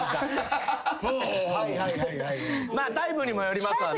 まあタイプにもよりますわね。